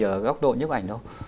ở góc độ nhấp ảnh đâu